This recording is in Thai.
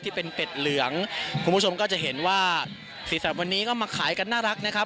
เป็ดเหลืองคุณผู้ชมก็จะเห็นว่าสีสันวันนี้ก็มาขายกันน่ารักนะครับ